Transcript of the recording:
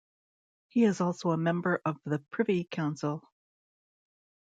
He is also a member of the Privy Council.